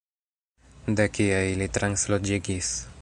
De kie ili transloĝigis?